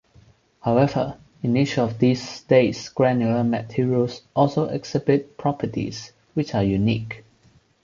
However, in each of these states granular materials also exhibit properties which are unique.